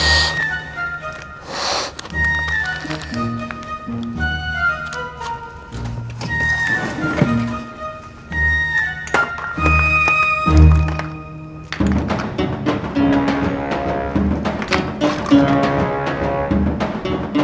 penasiran mamang tentang segala sesuatu